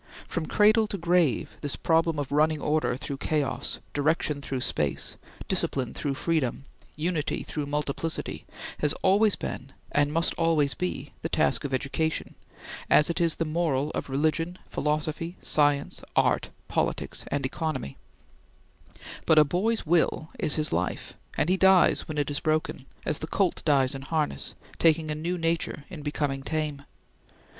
From cradle to grave this problem of running order through chaos, direction through space, discipline through freedom, unity through multiplicity, has always been, and must always be, the task of education, as it is the moral of religion, philosophy, science, art, politics, and economy; but a boy's will is his life, and he dies when it is broken, as the colt dies in harness, taking a new nature in becoming tame.